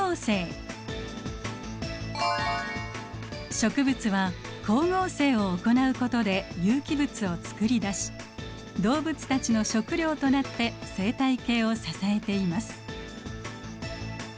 植物は光合成を行うことで有機物を作り出し動物たちの食料となって生態系を支えています。